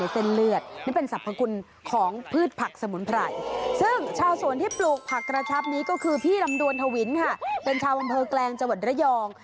เป็นชาวบำเภอกแกลงจังหวัดระยอง